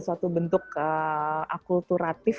suatu bentuk akurturatif